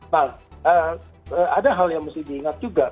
nah ada hal yang mesti diingat juga